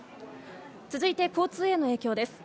続いて交通への影響です。